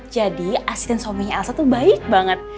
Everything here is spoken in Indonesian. jadi asisten suaminya elsa tuh baik banget